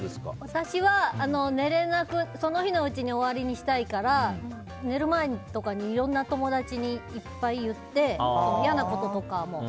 私は、その日のうちに終わりにしたいから寝る前とかにいろんな友達にいっぱい言って嫌なこととか。